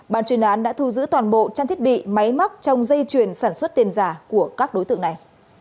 bàn truyền án đã thu giữ toàn bộ trang thiết bị máy mắc trong dây truyền sản xuất tiền giả của các đối tượng này